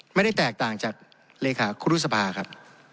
ไม่ได้แตกต่างจากเลขาครุษภาครับ